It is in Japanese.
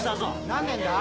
何年だ？